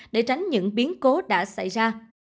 để tránh những biến cố đã xảy ra